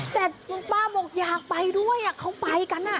แต่คุณป้าบอกอยากไปด้วยเขาไปกัน